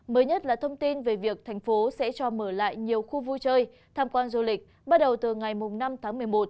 mới nhất là thông tin về việc thành phố sẽ cho mở lại nhiều khu vui chơi tham quan du lịch bắt đầu từ ngày năm tháng một mươi một